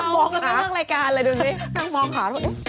นั่งมองกันตั้งแต่เรื่องรายการเลยดูนี่นั่งมองค่ะ